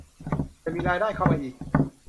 จะมีรายได้เข้ามาอีก